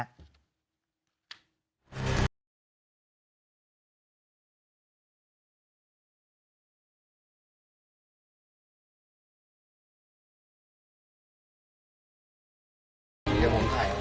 คจม